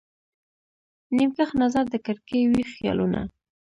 نیم کښ نظر د کړکۍ، ویښ خیالونه